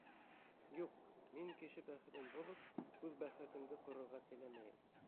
Юҡ, мин кеше бәхетен боҙоп, үҙ бәхетемде ҡорорға теләмәйем.